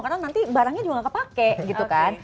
karena nanti barangnya juga gak kepake gitu kan